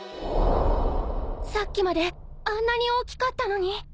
さっきまであんなに大きかったのに。